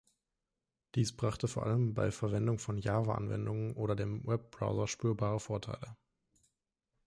Dies brachte vor allem bei Verwendung von Java-Anwendungen oder dem Webbrowser spürbare Vorteile.